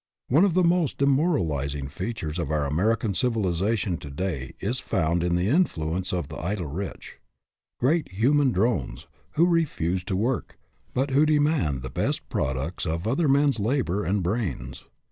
One of the most demoralizing features of our American civilization to day is found in the influence of the idle rich great human drones, who refuse to work, but who demand the best products of other men's labor and brains.